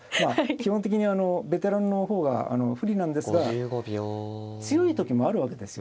基本的にベテランの方が不利なんですが強い時もあるわけですよ。